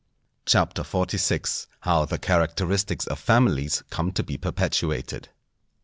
CHAPTER XLVI.—_How the Characteristics of Families come to be perpetuated.